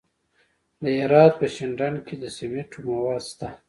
د هرات په شینډنډ کې د سمنټو مواد شته.